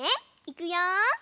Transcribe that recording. いくよ。